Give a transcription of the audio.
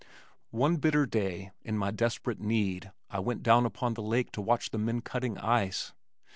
One bitter day in my desperate need I went down upon the lake to watch the men cutting ice.